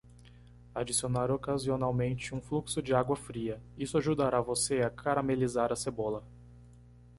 Adicionar ocasionalmente um fluxo de água fria; Isso ajudará você a caramelizar a cebola.